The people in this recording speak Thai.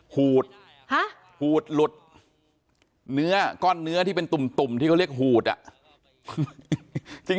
หูดหูดหลุดเนื้อก้อนเนื้อที่เป็นตุ่มที่เขาเรียกหูดอ่ะ